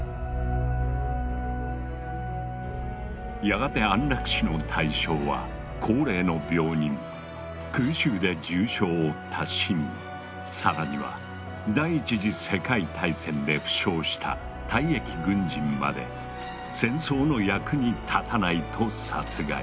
やがて安楽死の対象は高齢の病人空襲で重傷を負った市民更には第一次世界大戦で負傷した退役軍人まで「戦争の役に立たない」と殺害。